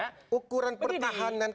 sekarang ukuran pertahanan